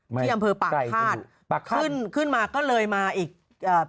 ไม่เป็นที่อำเภอปากคาดปากคั่นขึ่นขึ้นมาก็เลยมาอีกอ่า